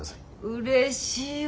うれしいわ。